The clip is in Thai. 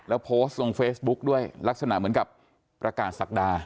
แล้วโพสต์ลงเฟซบุ๊กด้วยลักษณะเหมือนกับประกาศศักดา